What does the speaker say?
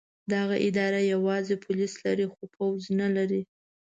دغه اداره یوازې پولیس لري خو پوځ نه لري.